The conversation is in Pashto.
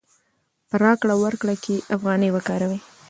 په راکړه ورکړه کې افغانۍ وکاروئ.